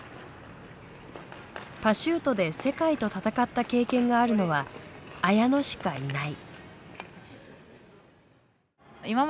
パシュートで世界と戦った経験があるのは綾乃しかいない。